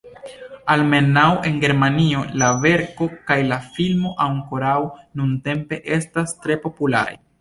Almenaŭ en Germanio la verko kaj la filmo ankoraŭ nuntempe estas tre popularaj.